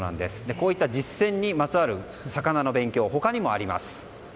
こういった実践にまつわる魚の勉強、他にもあります。